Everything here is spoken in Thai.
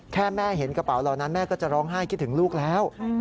แค่แม่เห็นกระเป๋าเหล่านั้นแม่ก็จะร้องไห้คิดถึงลูกแล้ว